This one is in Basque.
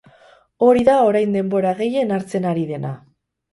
Hori da orain denbora gehien hartzen ari dena.